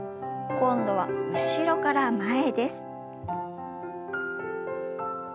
今度は後ろから前です。